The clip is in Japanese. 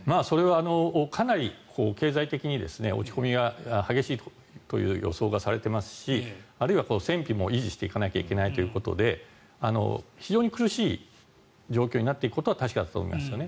それはかなり経済的に落ち込みが激しいという予想がされていますしあるいは戦費も維持していかなきゃいけないということで非常に苦しい状況になっていくことは確かだと思います。